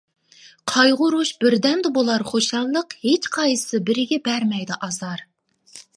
قايغۇرۇش بىردەمدە بولار خۇشاللىق، ھېچقايسى بىرىگە بەرمەيدۇ ئازار.